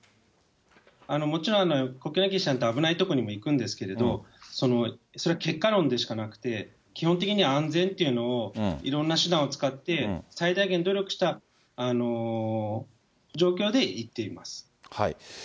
もちろん、国境なき医師団って危ない所にも行くんですけれども、それは結果論でしかなくて、基本的には安全というのをいろんな手段を使って、最大限努力した状況で行っています。